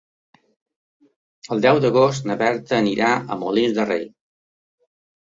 El deu d'agost na Berta anirà a Molins de Rei.